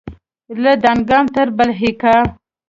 له دانګام تر بلهیکا